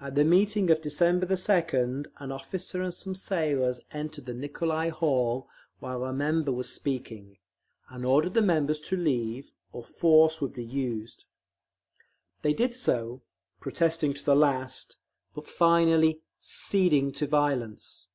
At the meeting of December 2d, an officer and some sailors entered the Nicolai Hall while a member was speaking, and ordered the members to leave, or force would be used. They did so, protesting to the last, but finally "ceding to violence."